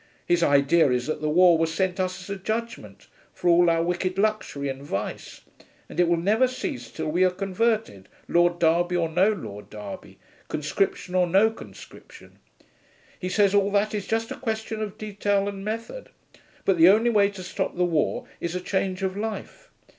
His idea is that the war was sent us as a judgment, for all our wicked luxury and vice, and it will never cease till we are converted, Lord Derby or no Lord Derby, conscription or no conscription. He says all that is just a question of detail and method, but the only way to stop the war is a change of life.